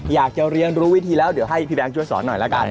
อยากจะเรียนรู้วิธีแล้วเดี๋ยวให้พี่แบงค์ช่วยสอนหน่อยละกัน